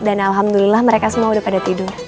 dan alhamdulillah mereka semua udah pada tidur